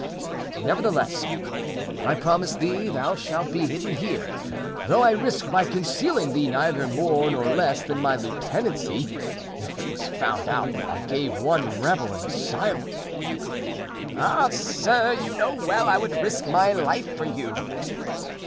Nevertheless, I promise thee thou shalt be hidden here, though I risk by concealing thee neither more nor less than my lieutenancy, if it was found out that I gave one rebel an asylum." "Ah! sir, you know well I would risk my life for you."